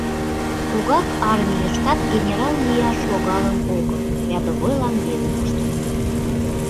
Тугак армийыштат генерал лияш логалын огыл, рядовойлан веле коштынам.